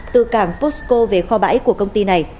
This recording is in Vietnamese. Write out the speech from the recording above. từ cảng posco về kho bãi của công ty này